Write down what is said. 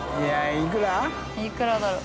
いくらだろう？